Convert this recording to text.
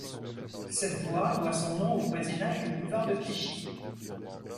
Cette voie doit son nom au voisinage du boulevard de Clichy.